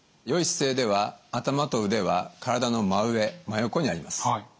良い姿勢では頭と腕は体の真上真横にあります。